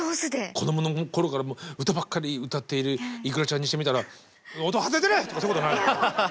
子どもの頃から歌ばっかり歌っているｉｋｕｒａちゃんにしてみたら「音外れてる！」とかそういうことないの？